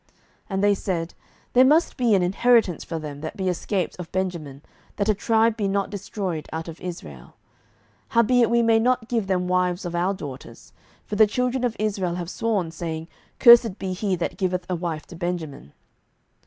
07:021:017 And they said, There must be an inheritance for them that be escaped of Benjamin, that a tribe be not destroyed out of Israel. 07:021:018 Howbeit we may not give them wives of our daughters: for the children of Israel have sworn, saying, Cursed be he that giveth a wife to Benjamin.